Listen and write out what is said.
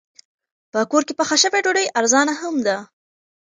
په کور کې پخه شوې ډوډۍ ارزانه هم ده.